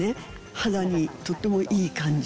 肌にとてもいい感じ。